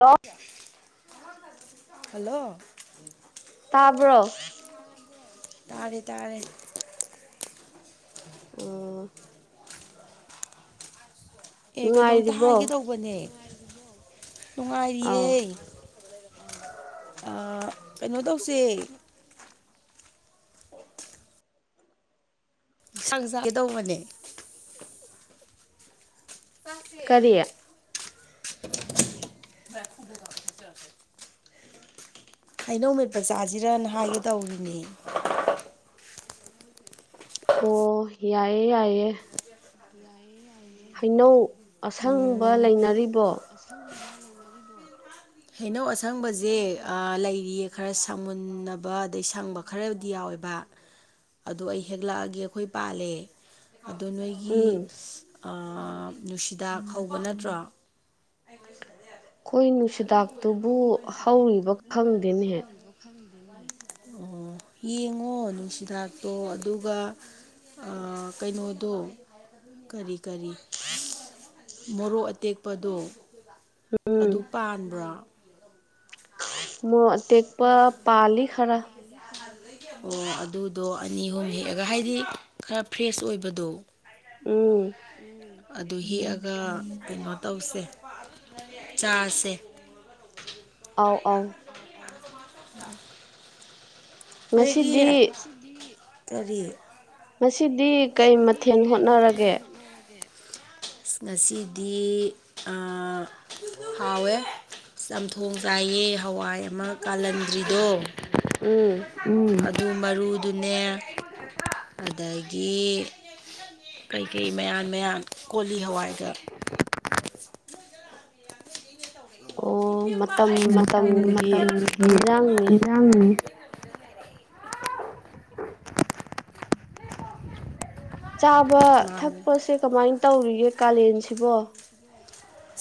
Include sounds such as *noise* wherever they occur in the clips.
Hello hello ꯇꯥꯕ꯭ꯔꯣ ꯇꯥꯔꯦ ꯇꯥꯔꯦ ꯑ ꯑꯦ ꯀꯩꯅꯣꯝꯇ ꯍꯥꯏꯒꯦꯗꯧꯕꯅꯦ ꯅꯨꯡꯉꯥꯏꯔꯤꯌꯦ ꯀꯩꯅꯣ ꯇꯧꯁꯦ ꯆꯥꯡ ꯆꯥꯒꯦ ꯇꯧꯕꯅꯦ ꯀꯔꯤꯌꯥ ꯈꯨꯗ ꯀꯔ ꯈꯁꯦ ꯑꯩꯅꯧꯃꯤꯠꯄ ꯆꯥꯁꯤꯔꯅ ꯍꯥꯏꯒꯦ ꯇꯧꯔꯤꯅꯦ ꯑꯣ ꯌꯥꯏꯌꯦꯦ ꯌꯥꯏꯌꯦ ꯌꯥꯌꯦ ꯍꯩꯅꯧ ꯑꯁꯪꯕ ꯂꯩꯅꯔꯤꯕꯣ ꯑꯁꯅ ꯃꯥ ꯂꯧꯉꯔꯤꯗꯣ ꯍꯩꯅꯧ ꯑꯁꯪꯕꯁꯦ ꯂꯩꯔꯤꯌꯦ ꯈꯔ ꯁꯪꯃꯨꯟꯅꯕ ꯑꯗꯩ ꯁꯪꯕ ꯈꯔꯗꯤ ꯌꯥꯎꯋꯦꯕ ꯑꯗꯨ ꯑꯩ ꯍꯦꯛꯂꯛꯑꯒꯦ ꯑꯩꯈꯣꯏ ꯄꯥꯜꯂꯦ ꯑꯣ ꯅꯣꯏꯒꯤ ꯅꯨꯡꯁꯤꯗꯥꯛ ꯍꯧꯕ ꯅꯠꯇ꯭ꯔꯣ ꯑꯕꯩꯁꯗꯦ ꯑꯗꯨꯦ ꯑꯩꯈꯣꯏ ꯅꯨꯡꯁꯤꯗꯥꯛꯇꯨꯕꯨ ꯍꯧꯔꯤꯕ ꯈꯪꯗꯦꯅꯦꯍ ꯑꯣ ꯌꯦꯡꯉꯣ ꯅꯨꯡꯁꯤꯅꯥꯇꯣ ꯑꯗꯨꯒ ꯀꯩꯅꯣꯗꯣ ꯀꯔꯤ ꯀꯔꯤ ꯃꯣꯔꯣꯛ ꯑꯇꯦꯛꯄꯗꯣ ꯑꯗꯨ ꯄꯥꯟꯕ꯭ꯔꯥ ꯃ ꯑꯇꯦꯛꯄ ꯄꯥꯜꯂꯤ ꯈꯔ *inaudible* ꯑꯣ ꯑꯗꯨꯗꯣ ꯑꯅꯤ ꯑꯍꯨꯝ ꯍꯦꯛꯑꯒ ꯍꯥꯏꯗꯤ ꯈꯔ ꯐ꯭ꯔꯦꯁ ꯑꯣꯏꯕꯗꯣ ꯎꯝ ꯑꯗꯨ ꯍꯦꯛꯑꯒ ꯀꯩꯅꯣ ꯇꯧꯁꯦ ꯆꯥꯁꯦ ꯑꯥꯎ ꯑꯥꯎ ꯑ ꯑꯩꯣꯏꯒꯤ ꯀꯔꯤ ꯉꯗꯤ ꯀꯩ ꯃꯊꯦꯜ ꯍꯣꯠꯅꯔꯒꯦ ꯑ ꯉꯁꯤꯗꯤ ꯍꯥꯎꯋꯦ ꯆꯝꯊꯣꯡ ꯆꯥꯏꯌꯦ ꯍꯋꯥꯏ ꯑꯃ ꯀꯥꯜꯍꯟꯗ꯭ꯔꯤꯗꯣ ꯎꯝ ꯎ ꯑꯗꯨ ꯃꯔꯨꯗꯨꯅꯦ ꯑꯗꯒꯤ ꯑꯗꯒꯤ ꯀꯩꯀꯩ ꯃꯌꯥꯟ ꯃꯌꯥꯟ ꯀꯣꯂꯤ ꯍꯋꯥꯏꯗ ꯑꯣ ꯃꯇꯝ ꯃꯇꯝꯒꯤ ꯏꯟꯖꯥꯡꯅꯤ ꯆꯥꯕ ꯊꯛꯄꯁꯦ ꯀꯃꯥꯏ ꯇꯧꯔꯤꯒꯦ ꯀꯥꯂꯦꯟꯁꯤꯕꯣ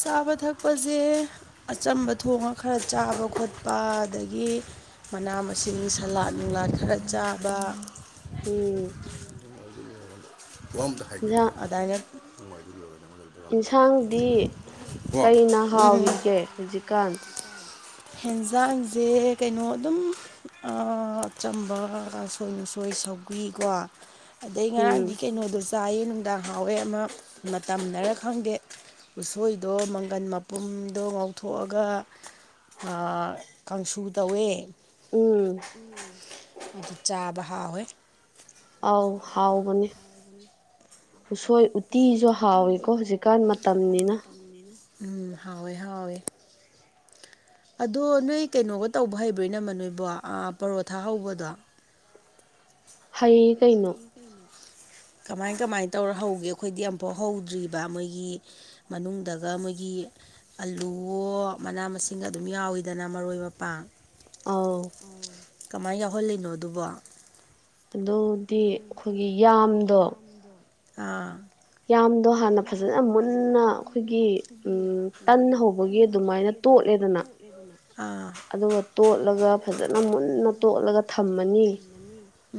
ꯆꯥꯕ ꯊꯛꯄꯁꯦ ꯑꯆꯝꯕ ꯊꯣꯡꯉꯥ ꯈꯔ ꯆꯥꯕ ꯈꯣꯠꯄ ꯑꯗꯒꯤ ꯃꯅꯥ ꯃꯁꯤꯡ ꯁꯂꯥꯠ ꯅꯨꯡꯂꯥꯠ ꯈꯔ ꯆꯥꯕ ꯎꯝ *unintelligible* ꯑꯗꯥꯏꯅ *unintelligible* ꯎꯝ *unintelligible* ꯍꯦꯟꯖꯥꯡꯁꯦ ꯀꯩꯅꯣ ꯑꯗꯨꯝ ꯑꯥ ꯑꯆꯝꯕ ꯀꯥꯡꯁꯣꯏ ꯅꯨꯡꯁꯣꯏ ꯁꯧꯒꯔꯤꯀꯣ ꯑꯗꯩ ꯉꯔꯥꯡꯗꯤ ꯀꯩꯅꯣꯗꯣ ꯆꯥꯏꯌꯦ ꯅꯨꯡꯗꯥꯡ ꯍꯥꯎꯋꯦ ꯑꯃ ꯃꯇꯝꯅꯔ ꯈꯪꯗꯦ ꯎꯁꯣꯏꯗꯣ ꯃꯪꯒꯟ ꯃꯄꯨꯝꯗꯣ ꯉꯧꯊꯣꯛꯑꯒ ꯑꯥ ꯀꯥꯡꯁꯨ ꯇꯧꯋꯦ ꯎꯝ ꯑꯗꯨ ꯆꯥꯕ ꯍꯥꯎꯋꯦ ꯑꯥꯎ ꯍꯥꯎꯕꯅꯦ ꯎꯁꯣꯏ ꯎꯇꯤꯁꯨ ꯍꯥꯎꯋꯤꯀꯣ ꯍꯧꯖꯤꯛꯀꯥꯟ ꯃꯇꯝꯅꯤꯅ *unintelligible* ꯎꯝ ꯍꯥꯎꯋꯦ ꯍꯥꯎꯋꯦ ꯑꯗꯣ ꯅꯣꯏ ꯀꯩꯅꯣꯒ ꯇꯧꯕ ꯍꯩꯕꯔꯣ ꯏꯅꯝꯃꯥ ꯅꯣꯏꯕꯣ ꯑꯥ ꯄꯔꯣꯊꯥ ꯍꯧꯕꯗꯣ ꯍꯩ ꯍꯩ ꯀꯩꯅꯣ ꯀꯃꯥꯏ ꯀꯃꯥꯏ ꯇꯧꯔ ꯍꯧꯒꯦ ꯑꯩꯈꯣꯏꯗꯤ ꯑꯝꯐꯥꯎ ꯍꯧꯗ꯭ꯔꯤꯕ ꯃꯣꯏꯒꯤ ꯃꯅꯨꯡꯗꯒ ꯃꯣꯏꯒꯤ ꯑꯂꯨꯑꯣ ꯃꯅꯥ ꯃꯁꯤꯡꯒ ꯑꯗꯨꯝ ꯌꯥꯎꯋꯤꯗꯅ ꯃꯔꯣꯏ ꯃꯄꯥꯡ ꯑꯥꯎ ꯀꯃꯥꯏ ꯌꯥꯎꯍꯜꯂꯤꯅꯣ ꯑꯗꯨꯕꯣ ꯑꯗꯨꯗꯤ ꯑꯩꯈꯣꯏꯒꯤ ꯌꯥꯝꯗꯣ ꯑꯥ ꯌꯥꯝ ꯗꯣ ꯍꯥꯟꯅ ꯐꯖꯅ ꯃꯨꯟꯅ ꯑꯩꯈꯣꯏꯒꯤ ꯎꯝ ꯇꯟ ꯍꯧꯕꯒꯤ ꯑꯗꯨꯃꯥꯏꯅ ꯇꯣꯠꯂꯦꯗꯅ *unintelligible* ꯑꯥ ꯑꯗꯨꯒ ꯇꯣꯠꯂꯒ ꯐꯖꯅ ꯃꯨꯟꯅ ꯇꯣꯠꯂꯒ ꯊꯝꯃꯅꯤ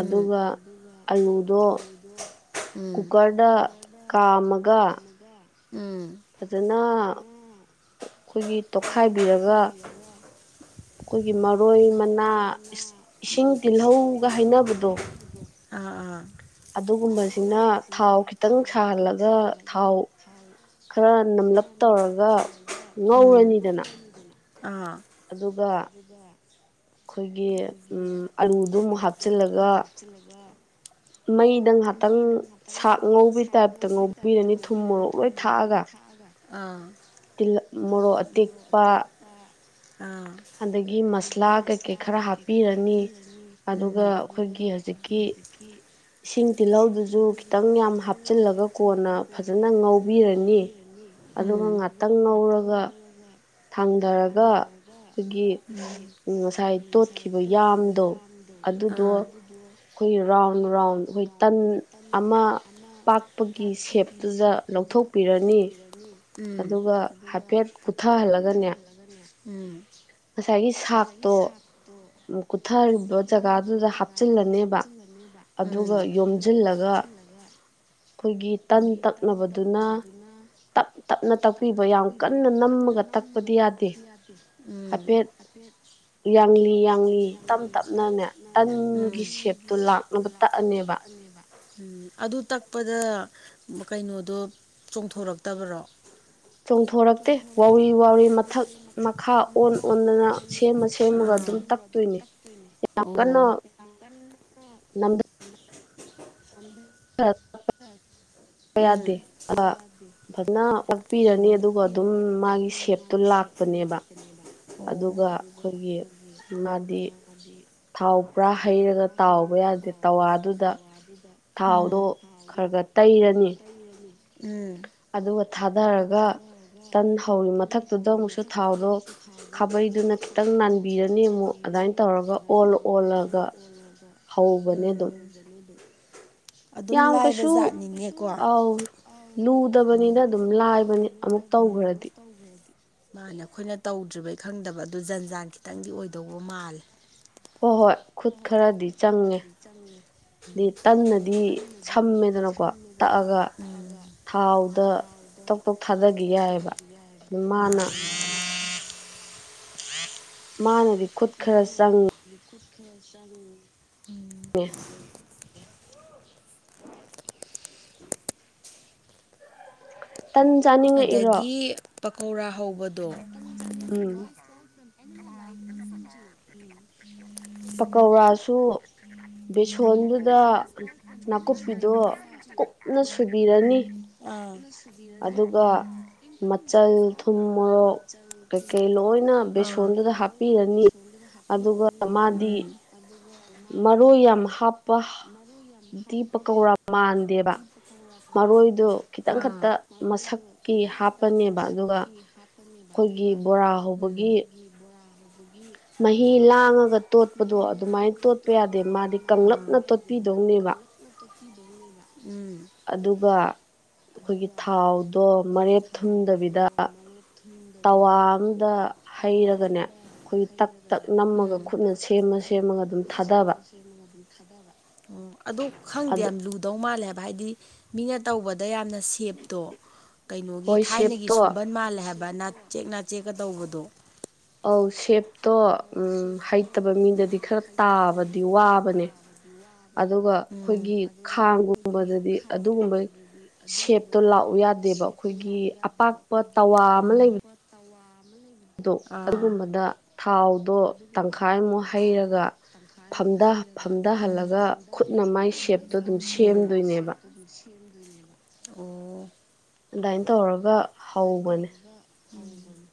ꯑꯗꯨꯒ ꯑꯂꯨꯗꯣ ꯀꯨꯀꯔꯗ ꯀꯥꯝꯃꯒ *unintelligible* ꯎꯝ ꯐꯖꯅ ꯑꯩꯈꯣꯏꯒꯤ ꯇꯣꯠꯈꯥꯏꯕꯤꯔꯒ ꯑꯩꯈꯣꯏꯒꯤ ꯃꯔꯣꯏ ꯃꯅꯥ ꯏꯁꯤꯡ ꯇꯤꯜꯍꯧꯒ ꯍꯥꯏꯅꯕꯗꯣ ꯑꯥ ꯑꯥ ꯑꯗꯨꯒꯨꯝꯕꯁꯤꯅ ꯊꯥꯎꯈꯤ ꯊꯥꯎ ꯈꯤꯇꯪ ꯁꯥꯍꯜꯂꯒ ꯊꯥꯎ ꯈꯔ ꯅꯝꯂꯞ ꯇꯧꯔꯒ ꯉꯧꯔꯅꯤꯗꯅ ꯑꯥ ꯑꯗꯨꯒ ꯑꯩꯈꯣꯏꯒꯤ ꯎꯝ *inaudible* ꯊꯨꯝꯗꯨ ꯑꯃꯨꯛ ꯍꯥꯞꯆꯤꯜꯂꯒ ꯃꯩꯗ ꯉꯥꯛꯇꯪ ꯁꯥꯥꯛ ꯉꯧꯕꯒꯤ ꯇꯥꯏꯞꯇ ꯉꯧꯕꯤꯔꯅꯤ ꯊꯨꯝ ꯃꯣꯔꯣꯛ ꯂꯣꯏ ꯊꯥꯛꯑꯒ ꯑꯥ ꯇꯤꯜ ꯃꯣꯔꯣꯛ ꯑꯇꯦꯛꯄ *unintelligible* ꯑ *inaudible* ꯑꯗꯒꯤ ꯃꯁꯂꯥ ꯀꯩꯀꯩ ꯈꯔ ꯍꯥꯞꯄꯤꯔꯅꯤ ꯎꯝ ꯑꯗꯨꯒ ꯑꯩꯈꯣꯏꯒꯤ ꯍꯧꯖꯤꯛꯀꯤ ꯏꯁꯤꯡ ꯇꯤꯜꯍꯧꯗꯨꯁꯨ ꯈꯤꯇꯪ ꯌꯥꯝ ꯍꯥꯞꯆꯤꯜꯂꯒ ꯀꯣꯟꯅ ꯐꯖꯅ ꯉꯧꯕꯤꯔꯅꯤ ꯑꯗꯨꯒ ꯉꯥꯛꯇꯪ ꯉꯧꯔꯒ *unintelligible* ꯊꯥꯡꯊꯔꯒ ꯑꯩꯈꯣꯏꯒꯤ ꯉꯁꯥꯏ ꯉꯁꯥꯏ ꯇꯣꯠꯈꯤꯕ ꯌꯥꯝꯗꯣ ꯑꯗꯨꯗꯣ ꯍꯨꯏ *inaudible* ꯋꯥꯝ *inaudible* ꯋꯥꯥꯡ *inaudible* ꯍꯨ *inaudible* ꯑꯃ ꯄꯥꯛꯄꯒꯤ ꯁꯦꯞꯇꯨꯗ ꯂꯧꯊꯣꯛꯄꯤꯔꯅꯤ꯫ *inaudible* ꯎꯝ ꯑꯗꯨꯒ ꯍꯥꯏꯐꯦꯠ ꯄꯊꯍꯜꯂꯒꯅꯦ ꯎꯝ ꯉꯁꯥꯏꯒꯤ ꯁꯥꯛꯇꯣ ꯇꯣ *unintelligible* ꯀꯨꯊꯔꯤꯕ ꯖꯒꯥꯗꯨꯗ ꯍꯥꯞꯆꯤꯜꯂꯅꯦꯕ ꯑꯗꯨꯒꯗ ꯌꯣꯝꯁꯤꯜꯂꯒ ꯇꯥꯗꯦ꯫ ꯑꯩꯈꯣꯏꯒꯤ ꯇꯟ ꯇꯛꯅꯕꯗꯨꯅ ꯇꯞ-ꯇꯞꯅ ꯇꯛꯄꯤꯕ ꯌꯥꯝ ꯀꯟꯅ ꯅꯝꯃꯒ ꯇꯛꯄꯗꯤ ꯌꯥꯗꯦ ꯍꯥꯏꯐꯦꯠ ꯌꯥꯡꯂꯤ ꯌꯥꯡꯂꯤ ꯇꯞ-ꯇꯞꯅꯅꯦ ꯇꯟꯒꯤ ꯁꯦꯞꯇꯣ ꯂꯥꯛꯅꯕ ꯇꯛꯑꯅꯦꯕ꯫ ꯎꯝ ꯑꯗꯨ ꯇꯛꯄꯗ ꯀꯩꯅꯣꯗꯣ ꯆꯣꯡꯊꯣꯔꯛꯇꯕꯔꯣ ꯆꯣꯡꯊꯣꯔꯛꯇꯦ ꯋꯥꯎꯔꯤ ꯋꯥꯎꯔꯤ ꯃꯊꯛ ꯃꯈꯥ ꯑꯣꯟ ꯑꯣꯟꯗꯅ ꯁꯦꯝꯃ ꯁꯦꯝ *inaudible* *inaudible* ꯑꯗꯨꯝ ꯇꯛꯇꯣꯏꯅꯦ ꯌꯥꯝ ꯀꯟꯅ ꯅꯝꯖꯤꯟ *unintelligible* ꯑꯗ *inaudible* ꯑ *inaudible* ꯌꯥꯗꯦ ꯑ ꯐꯖꯅ ꯑꯣꯠꯄꯤꯔꯅꯤ ꯑꯗꯨꯒ ꯑꯗꯨꯝ ꯃꯥꯒꯤ ꯁꯦꯞꯇꯣ ꯂꯥꯛꯄꯅꯦꯕ꯫ ꯑꯗꯨꯒ *inaudible* *inaudible* ꯇꯩꯔꯅꯤ ꯎꯝ ꯑꯗꯨꯒ ꯊꯥꯗꯔꯒ ꯇꯟ ꯍꯧꯔꯤ ꯃꯊꯛꯇꯨꯗ ꯑꯃꯨꯛꯁꯨ ꯊꯥꯎꯗꯣ ꯈꯥꯕꯩꯗꯨꯅ ꯈꯤꯇꯪ ꯅꯥꯟꯕꯤꯔ ꯑꯅꯤꯃꯨꯛ ꯑꯗꯨꯃꯥꯏꯅ ꯇꯧꯔꯒ ꯑꯣꯜꯂ ꯑꯣꯜꯂꯒ ꯍꯧꯕꯅꯦ ꯑꯗꯨꯝ ꯖꯗꯨ ꯑꯗꯨꯝ ꯂꯥꯏꯕ ꯖꯥꯠꯅꯤꯡꯉ ꯑꯧ ꯂꯨꯗꯕꯅꯤꯅ ꯑꯗꯨꯝ ꯂꯥꯏꯕꯅꯤ ꯑꯃꯨꯛ ꯇꯧꯈ꯭ꯔꯗꯤ ꯇꯧꯋꯦꯗꯤ ꯃꯥꯅ ꯑꯩꯈꯣꯏꯅ ꯇꯧꯗ꯭ꯔꯤꯕꯩ ꯈꯪꯗꯕ ꯑꯗꯨ ꯖꯟ ꯖꯥꯟ ꯈꯤꯇꯪꯗꯤ ꯑꯣꯏꯗꯧꯕ ꯃꯥꯜꯂꯦ ꯍꯣꯏ ꯍꯣꯏ ꯈꯨꯠ ꯈꯔꯗꯤ ꯆꯪꯉꯦ ꯆꯪꯅꯗꯤ ꯁꯝ ꯑꯗꯨꯅꯀꯣꯗ ꯍꯥꯎꯗꯣ ꯀꯞꯊꯣꯛ ꯊꯥꯗꯁꯨ ꯌꯥꯏꯑꯕ ꯃꯥꯜꯂꯤ ꯃꯥꯜꯂꯤ ꯃꯥꯥꯅꯗꯤ ꯃꯠ ꯈꯔ ꯆꯥꯕꯨ ꯎ ꯑꯗꯒꯤ ꯄꯀꯧꯔꯥ ꯍꯧꯕꯗꯣ ꯎꯝ *inaudible* ꯄꯀꯧꯔꯥꯁꯨ ꯕꯦꯁꯣꯟꯗꯨꯗ ꯅꯥꯀꯨꯞꯄꯤꯗꯣ ꯑꯥ ꯑꯗꯨꯒ ꯃꯆꯜ ꯊꯨꯝ ꯃꯣꯔꯣꯛ ꯀꯩꯀꯩ ꯂꯣꯏꯅ ꯕꯦꯁꯣꯟꯗꯨꯗ ꯍꯥꯞꯄꯤꯔꯅꯤ ꯑꯗꯨꯒ ꯃꯥꯗꯤ ꯃꯔꯣꯏ ꯌꯥꯝ ꯍꯥꯞ ꯄꯗꯤ ꯄ ꯀꯧꯔ ꯃꯥꯟꯗꯦꯕ ꯅꯤꯗꯦꯕ ꯃꯁꯛꯀꯤ ꯍꯥꯞꯄꯅꯦꯕ ꯑꯗꯨꯒ ꯑꯩꯈꯣꯏꯒꯤ ꯕꯣꯔꯥ ꯍꯧꯕꯒꯤ ꯒꯤ ꯕꯣꯔꯥ ꯍꯕꯒꯤ ꯃꯍꯤ ꯂꯥꯡꯉꯒ ꯇꯣꯠꯄꯗꯣ ꯑꯗꯨꯃꯥꯏꯅ ꯇꯣꯠꯄ ꯌꯥꯗꯦ ꯃꯥꯗꯤ ꯀꯪꯂꯞꯅ ꯇꯣꯠꯄꯤꯗꯧꯅꯦꯕ ꯎꯝ ꯑꯗꯨꯒ ꯑꯩꯈꯣꯏꯒꯤ ꯊꯥꯎꯗꯣ ꯃꯔꯦꯞ ꯊꯨꯝꯗꯕꯤꯗ *inaudible* ꯇꯋꯥ ꯑꯃꯗ ꯍꯩꯔꯒꯅꯦ ꯑꯩꯈꯣꯏꯒꯤ ꯇꯛ ꯇꯛ ꯅꯝꯃꯒ ꯈꯨꯠꯅ ꯁꯦꯝꯃ ꯁꯦꯝꯃꯒ ꯑꯗꯨꯝ ꯊꯥꯗꯕ ꯊꯥꯗꯕ ꯑꯣ ꯑꯗꯨ ꯈꯪꯗꯦ ꯌꯥꯝ ꯂꯨꯗꯧ ꯃꯥꯜꯂꯦ ꯍꯥꯏꯕ ꯍꯥꯏꯗꯤ ꯃꯤꯅ ꯇꯧꯕꯗ ꯌꯥꯝꯅ ꯁꯦꯞꯇꯣ ꯀꯩꯅꯣꯒꯤ ꯊꯥꯏꯅꯒꯤ ꯁꯨꯝꯕꯟ ꯃꯥꯜꯂꯦ ꯍꯥꯏꯕ ꯅꯥꯆꯦꯛ ꯅꯥ ꯆꯦꯛꯀ ꯇꯧꯕꯗꯣ ꯑ ꯁꯦꯞꯇꯣ ꯎꯝ ꯍꯩꯇꯕ ꯃꯤꯗꯗꯤ ꯈꯔ ꯇꯥꯕꯗꯤ ꯋꯥꯕꯅꯦ ꯑꯗꯨꯒ ꯑꯩꯈꯣꯏꯒꯤ ꯈꯥꯡꯒꯨꯝꯕꯗꯗꯤ ꯑꯗꯨꯒꯨꯝꯕꯩ ꯁꯦꯞꯇꯣ ꯂꯥꯛꯎ ꯌꯥꯗꯦꯕ ꯑꯩꯈꯣꯏꯒꯤ ꯑꯄꯥꯛꯄ ꯇꯋꯥ ꯑꯃ ꯂꯩꯕ ꯇꯋꯥ ꯑꯗꯣ ꯑꯗꯨꯒꯨꯝꯕꯗ ꯊꯥꯎꯗꯣ ꯗ ꯊꯥꯎꯗꯣ ꯇꯪꯈꯥꯏ ꯑꯃꯣ ꯍꯩꯔꯒ ꯃꯥꯏ ꯁꯦꯞꯇꯣ ꯑꯗꯨꯝ ꯁꯦꯝꯗꯣꯏꯅꯦꯕ ꯑꯣ ꯑꯗꯨꯃꯥꯏꯅ ꯇꯧꯔꯒ ꯑꯗꯨꯃꯥꯏꯅ ꯇꯧꯔꯒ ꯍꯕꯅꯤ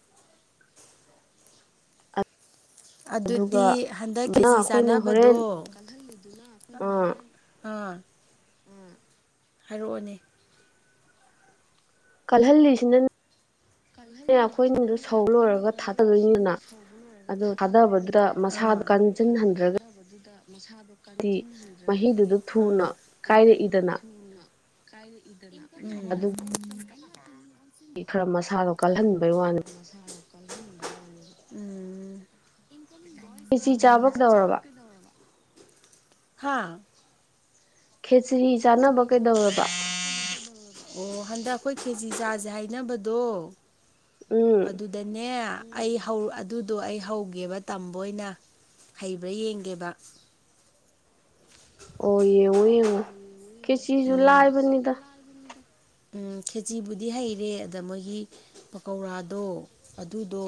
ꯑꯗꯨꯗꯤ ꯍꯟꯗꯛ ꯈꯦꯖꯤ ꯆꯥꯟꯅꯕꯗꯣ ꯑꯥ ꯎ ꯍꯥꯏꯔꯛꯑꯣꯅꯦ ꯀꯜꯍꯜꯂꯤꯁꯤꯅ *inaudible* ꯀꯜꯍꯜꯂꯤꯁꯤꯅꯅꯦ ꯑꯩꯈꯣꯏꯅ ꯍꯣꯔꯦꯟ ꯏꯁꯤꯡꯗ ꯁꯧꯕ ꯂꯣꯏꯔꯒ ꯊꯥꯗꯗꯣꯏꯅꯤꯗꯅ ꯑꯗꯨ ꯊꯥꯗꯕꯗꯨꯗ ꯃꯁꯥꯗꯣ ꯀꯟꯁꯤꯟꯍꯟꯗ꯭ꯔꯒꯗꯤ ꯑ ꯃꯍꯤꯗꯨꯕꯨ ꯊꯨꯅ ꯀꯥꯏꯔꯏꯗꯅ ꯈꯔ ꯃꯁꯥꯒ ꯑꯗꯨꯒꯤ ꯈꯔ ꯃꯁꯥꯅ ꯐꯤꯆꯤ ꯆꯥꯕ ꯇꯧꯔꯕ ꯍꯥꯥ ꯈꯦꯆ꯭ꯔꯤ ꯆꯥꯅꯕ ꯀꯩꯗꯧꯔꯕ ꯑꯣ ꯍꯟꯗꯛ ꯑꯩꯈꯣꯏ ꯀꯦꯖꯤ ꯆꯥꯁꯦ ꯍꯥꯏꯅꯕꯗꯣ ꯑꯗꯨ ꯗꯅꯦ ꯑꯩ ꯑꯗꯨꯗꯣ ꯑꯩ ꯍꯧꯒꯦꯕ ꯇꯝꯕꯅ ꯍꯩꯕ꯭ꯔꯥ ꯌꯦꯡꯒꯦꯕ ꯑꯣ ꯌꯦꯡꯉꯣ ꯌꯦꯡꯉꯣ ꯀꯦꯆꯤꯁꯨ ꯂꯥꯏꯕꯅꯤꯗ ꯎ ꯈꯦꯆꯕꯨꯗꯤ ꯍꯩꯔꯦ ꯑꯗ ꯃꯣꯏꯒꯤ ꯄꯀꯧꯔꯥꯗꯣ ꯑꯗꯨꯗꯣ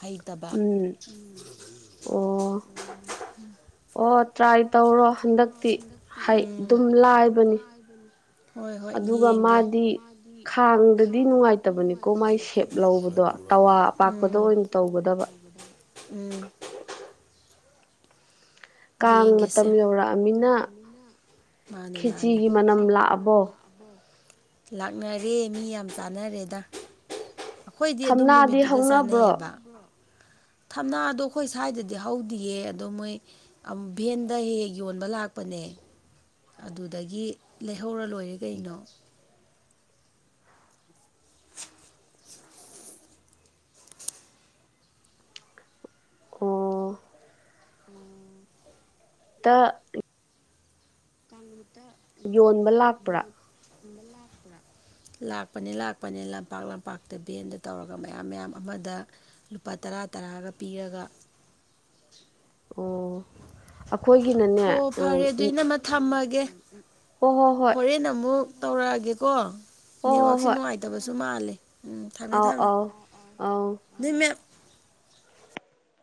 ꯍꯩꯇꯕ ꯑꯣ ꯑꯣ ꯇ꯭ꯔꯥꯏ ꯇꯧꯔꯣ ꯍꯟꯗꯛꯇꯤ ꯑꯗꯨꯝ ꯂꯥꯏꯕꯅꯤ ꯍꯥꯏꯥꯏꯕ ꯍꯣꯏ ꯍꯣꯏ ꯌꯦꯡꯒꯦ ꯃꯥꯗꯤ ꯈꯥꯡꯗꯨꯒꯤ ꯅꯨꯡꯉꯥꯏꯇꯕꯅꯤꯀꯣ ꯎꯝ ꯎꯝ ꯌꯦꯡꯒꯦꯁꯦ ꯃꯥꯅꯤ ꯃꯥꯅꯤ ꯂꯥꯛꯅꯔꯦ ꯃꯤ ꯌꯥꯝ ꯇꯥꯟꯅꯔꯦꯗ ꯍꯈꯣꯏꯗꯤ ꯑꯗꯨꯝ ꯅꯨꯃꯤꯠꯇꯨꯗ ꯆꯥꯅꯩꯌꯦꯕ ꯊꯝꯅꯥꯗꯣ ꯑꯩꯈꯣꯏ ꯁ꯭ꯋꯥꯏꯗꯗꯤ ꯍꯧꯗꯤꯌꯦ ꯑꯗꯣ ꯃꯣꯏ ꯚꯦꯟꯗ ꯍꯦꯛ ꯍꯦꯛ ꯌꯣꯟꯕ ꯂꯥꯛꯄꯅꯦ ꯑꯗꯨꯗꯒꯤ ꯂꯩꯍꯧꯔ ꯂꯣꯏꯔꯦ ꯀꯩꯅꯣ ꯑꯣ ꯎꯝ ꯇ ꯀꯇ ꯌꯣꯟꯕ ꯂꯥꯛꯄ꯭ꯔꯥ ꯀꯨꯝꯕ ꯂꯥꯛꯄ꯭ꯔꯥ ꯂꯥꯛꯄꯅꯤ ꯂꯥꯛꯄꯅꯤ ꯂꯝꯄꯥꯛ ꯂꯝꯄꯥꯛꯇ ꯚꯦꯟꯗ ꯇꯧꯔꯒ ꯃꯌꯥꯝ ꯃꯌꯥꯝ ꯑꯃꯗ ꯂꯨꯄꯥ ꯇꯔꯥ ꯇꯔꯥꯒ ꯄꯤꯔꯒ ꯑꯣ ꯑꯩꯈꯣꯏꯒꯤꯅꯅꯦ ꯊꯝꯃꯒꯦ ꯍꯣꯏ ꯍꯣꯏ ꯍꯣꯏ ꯑꯩꯅ ꯑꯃꯨꯛ ꯇꯧꯔꯛꯑꯒꯦꯀꯣ ꯅꯦꯠꯋꯥꯛꯁꯦ ꯅꯨꯡꯉꯥꯏꯇꯕꯁꯨ ꯃꯥꯜꯂꯦ ꯎꯝ ꯊꯝꯃꯦ ꯊꯝꯃꯦ ꯅꯣꯏ ꯃꯦꯝ